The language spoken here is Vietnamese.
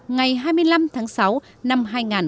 ngày hai mươi năm tháng sáu năm hai nghìn một mươi chín